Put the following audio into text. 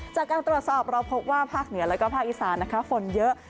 จากการตรวจสอบเราพบว่าภาคเหนือแล้วก็ภาคอีสานนะคะฝนเยอะ